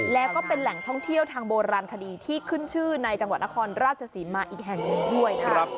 แล้วก็เป็นแหล่งท่องเที่ยวทางโบราณคดีที่ขึ้นชื่อในจังหวัดนครราชศรีมาอีกแห่งหนึ่งด้วยนะครับ